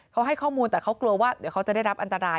เขาให้ข้อมูลแต่เขากลัวว่าเดี๋ยวเขาจะได้รับอันตราย